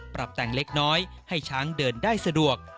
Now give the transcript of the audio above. ปรับแต่งเล็กน้อยให้ช้างเดินได้สะดวก